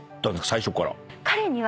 最初から。